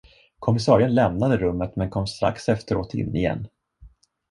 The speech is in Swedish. Kommissarien lämnade rummet men kom strax efteråt in igen.